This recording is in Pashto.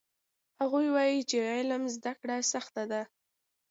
هغوی وایي چې علم زده کړه سخته ده